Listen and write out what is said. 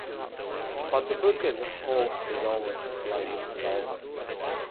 But the book as a whole is almost like "Dhalgren".